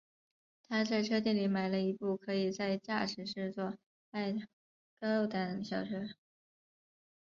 他在车店里买了一部可以在驾驶室做爱的高档小车。